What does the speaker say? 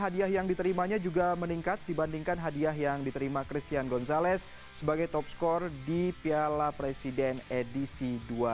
hadiah yang diterimanya juga meningkat dibandingkan hadiah yang diterima christian gonzalez sebagai top skor di piala presiden edisi dua ribu dua puluh